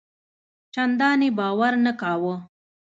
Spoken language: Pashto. چنداني باور نه کاوه.